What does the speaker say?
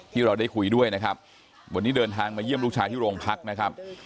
ที่เราได้คุยด้วยนะครับวันนี้เดินทางมาเยี่ยมลูกชายที่โรงพักนะครับ